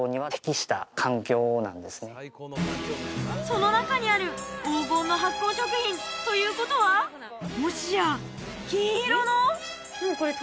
その中にある黄金の発酵食品ということはもしや金色の？